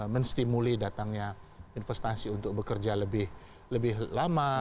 menstimuli datangnya investasi untuk bekerja lebih lama